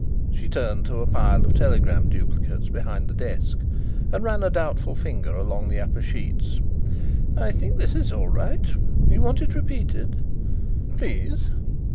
She turned to a pile of telegram duplicates behind the desk and ran a doubtful finger along the upper sheets. "I think this is all right. You want it repeated?" "Please."